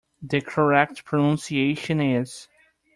The correct pronunciation is.